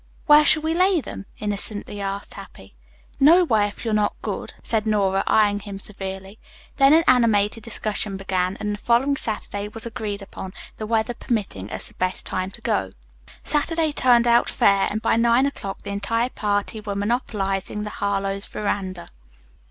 "Where shall we lay them?" innocently asked Hippy. "Nowhere, if you're not good," said Nora eyeing him severely. Then an animated discussion began, and the following Saturday was agreed upon, the weather permitting, as the best time to go. Saturday turned out fair, and by nine o'clock the entire party were monopolizing the Harlowe's veranda.